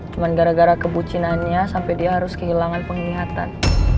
cuma gara gara kebucinannya sampai dia harus kehilangan penglihatan